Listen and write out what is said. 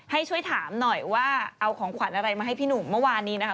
ให้ช่วยถามหน่อยว่าเอาของขวัญอะไรมาให้พี่หนุ่มเมื่อวานนี้นะคะ